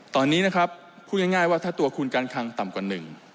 ตอนนี้นะครับพูดง่ายว่าถ้าตัวคุณการคังต่ำกว่าหนึ่ง